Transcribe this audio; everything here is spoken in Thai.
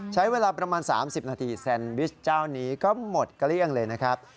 ใช้เวลาประมาณ๓๐นาทีแซนวิชเจ้านี้ก็หมดเกลี้ยงเลยนะครับ